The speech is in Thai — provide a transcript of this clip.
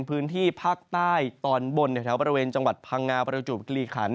พื้นที่ภาคใต้ตอนบนแถวบริเวณจังหวัดพังงาประจวบกิริขัน